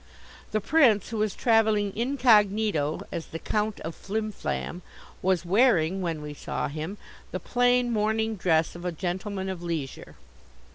The Prince, who is travelling incognito as the Count of Flim Flam, was wearing, when we saw him, the plain morning dress of a gentleman of leisure.